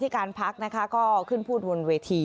ที่การพักนะคะก็ขึ้นพูดวนเว๒๐๐๑